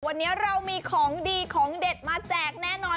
วันนี้เรามีของดีของเด็ดมาแจกแน่นอน